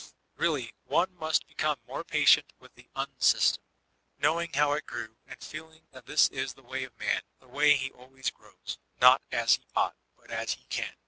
Really one must become more patient with the ''un system," knowing how it grew, and feeling that this b the way of Man, — ^the way he always grows, — not as he oi^gfat, but as he can.